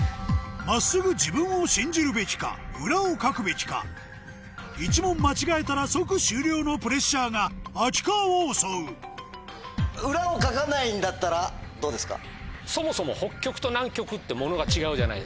真っすぐ自分を信じるべきか裏をかくべきか１問間違えたら即終了のプレッシャーが秋川を襲うどうですか？